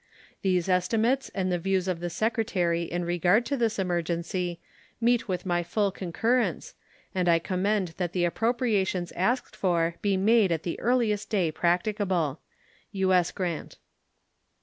These estimates and the views of the Secretary in regard to this emergency meet with my full concurrence, and I recommend that the appropriations asked for be made at the earliest day practicable. U.S. GRANT.